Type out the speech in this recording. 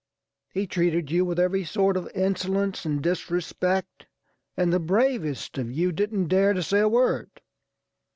He treated you with every sort of insolence and disrespect, and the bravest of you didn't dare to say a word.